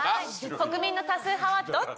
国民の多数派はどっち？